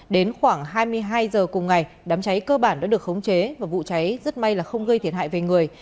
đến khoảng hai mươi hai h cùng ngày đám cháy cơ bản đã được khống chế và vụ cháy rất may là không gây thiệt hại về người